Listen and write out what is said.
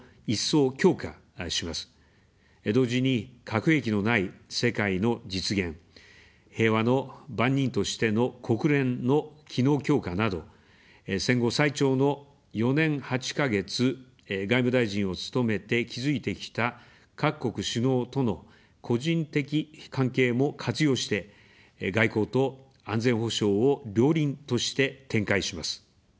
同時に、核兵器のない世界の実現、平和の番人としての国連の機能強化など、戦後最長の４年８か月、外務大臣を務めて築いてきた各国首脳との個人的関係も活用して、外交と安全保障を両輪として展開します。